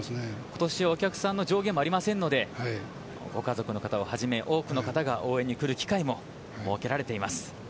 ことしはお客さんの上限もありませんのでご家族の方を初め多くの方が来る機会が設けられています。